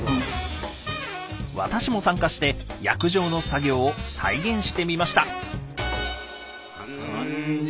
私も参加して訳場の作業を再現してみました。